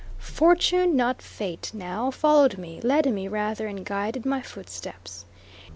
Fortune, not fate now, followed me, led me rather and guided my footsteps.